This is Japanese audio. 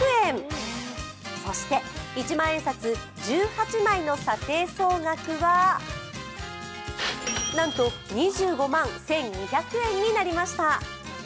そして一万円札１８枚の査定総額はなんと２５万１２００円になりました。